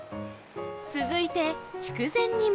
続いて、筑前煮も。